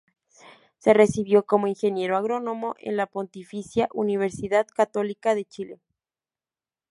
Se recibió como Ingeniero Agrónomo en la Pontificia Universidad Católica de Chile.